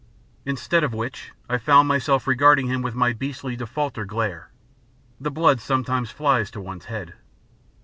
Instead of which I found myself regarding him with my beastly defaulter glare. The blood sometimes flies to one's head.